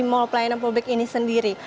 mall pelayanan publik ini sendiri